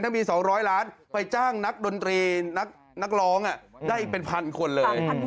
มี๒๐๐ล้านไปจ้างนักดนตรีนักร้องได้เป็นพันคนเลย